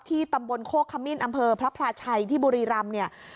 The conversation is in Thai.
ตำบลโคกขมิ้นอำเภอพระพลาชัยที่บุรีรำเนี่ย